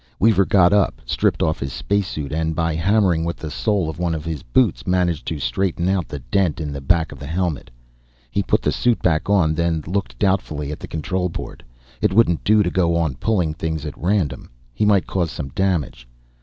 Weaver got up, stripped off his spacesuit, and, by hammering with the sole of one of the boots, managed to straighten out the dent in the back of the helmet. He put the suit back on, then looked doubtfully at the control board. It wouldn't do to go on pulling things at random; he might cause some damage.